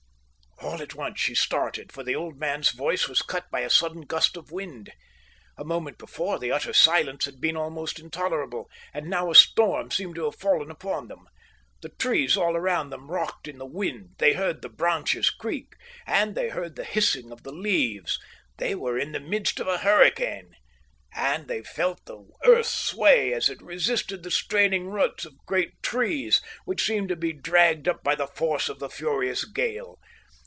All at once she started, for the old man's voice was cut by a sudden gust of wind. A moment before, the utter silence had been almost intolerable, and now a storm seemed to have fallen upon them. The trees all around them rocked in the wind; they heard the branches creak; and they heard the hissing of the leaves. They were in the midst of a hurricane. And they felt the earth sway as it resisted the straining roots of great trees, which seemed to be dragged up by the force of the furious gale.